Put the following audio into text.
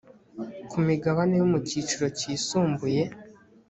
ku migabane yo mu cyiciro cyisumbuye